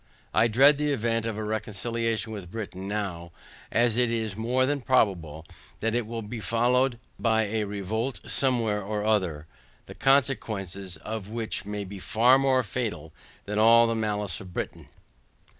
I dread the event of a reconciliation with Britain now, as it is more than probable, that it will followed by a revolt somewhere or other, the consequences of which may be far more fatal than all the malice of Britain.